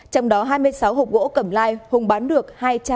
trong đó hai mươi sáu hộp gỗ cẩm lai hùng bán được hai trăm hai mươi